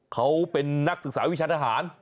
เขาเป็นนักศึกษาวิชาญอาหาร